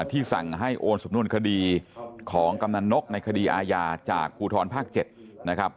ที่สั่งให้โอนสำนวนคดีของกำนันนกในคดีอาญาจากภูทรภาค๗นะครับ